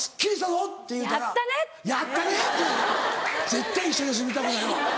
絶対一緒に住みたくないわ。